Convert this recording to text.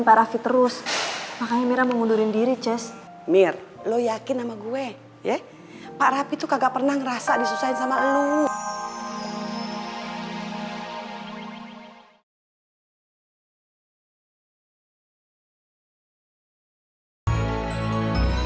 pak rapi tuh kagak pernah ngerasa disusahin sama lo